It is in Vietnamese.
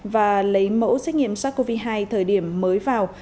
và lấy mẫu xét nghiệm sars cov hai thời điểm mới vào